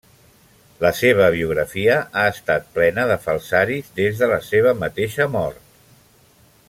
La seva biografia ha estat plena de falsaris des de la seva mateixa mort.